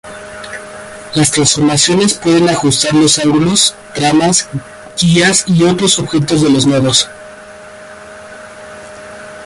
Las transformaciones pueden ajustar los ángulos, tramas, guías y otros objetos de los nodos.